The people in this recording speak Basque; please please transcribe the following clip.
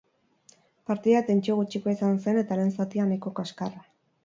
Partida tentsio gutxikoa izan zen eta lehen zatia nahiko kaskarra.